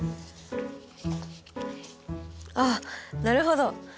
あっなるほど。